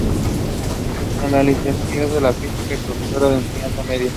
Era licenciada en Físicas y profesora de Enseñanza Media.